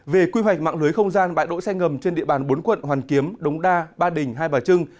về quy hoạch mạng lưới không gian bãi đỗ xe ngầm trên địa bàn bốn quận hoàn kiếm đống đa ba đình hai bà trưng